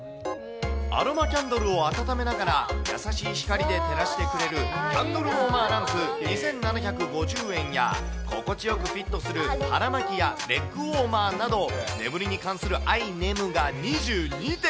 アロマキャンドルを温めながら優しい光で照らしてくれるキャンドルウォーマーランプ２７５０円や、心地よくフィットする腹巻きやレッグウォーマーなど、眠りに関するアイねむが２２点。